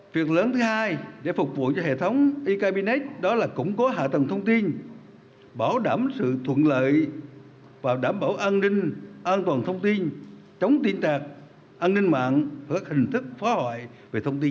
việc lớn thứ hai để phục vụ cho hệ thống ekpnx đó là củng cố hạ tầng thông tin bảo đảm sự thuận lợi và đảm bảo an ninh an toàn thông tin chống tin tạc an ninh mạng và hình thức phá hoại về thông tin